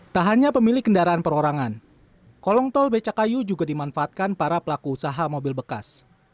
tak hanya pemilik kendaraan perorangan kolong tol becakayu juga dimanfaatkan para pelaku usaha mobil bekas